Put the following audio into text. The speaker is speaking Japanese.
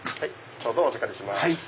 ちょうどお預かりします。